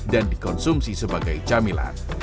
dan dikonsumsi sebagai camilan